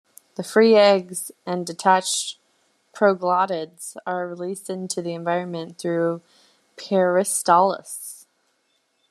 The free eggs and detached proglottids are released into the environment through peristalsis.